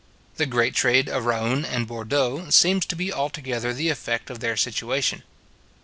The great trade of Rouen and Bourdeaux seems to be altogether the effect of their situation.